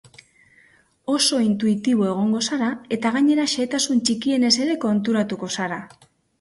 Oso intuitibo egongo zara, eta gainera xehetasun txikienez ere konturatuko zara.